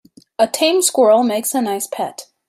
A tame squirrel makes a nice pet.